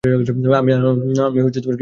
আমি কিছু করিনি!